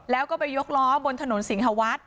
แล้วก็ไปยกล้อบนถนนสิงหวัด